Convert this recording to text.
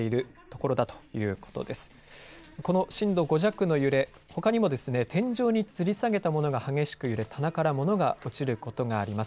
この震度５弱の揺れ、ほかにも天井につり下げたものが激しく揺れ、棚から物が落ちることがあります。